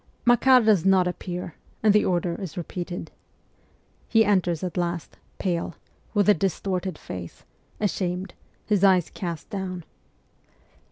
Makar does not appear, and the order is repeated. He enters at last, pale, with a distorted face, ashamed, his eyes cast down.